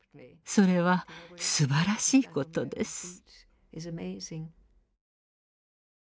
それはすばらしいことです。